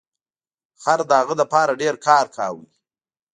خر د هغه لپاره ډیر کار کاوه.